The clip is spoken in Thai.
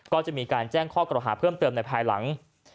ก็จะมีการแจ้งข้อกรหาเพิ่มเติมในภายหลัง